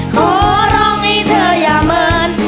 ขอร้องให้เธออย่าเมิน